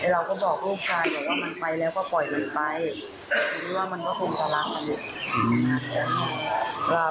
เราก็บอกลูกชายว่ามันไปแล้วก็ปล่อยมันไปว่ามันก็คงจะรักมันเลย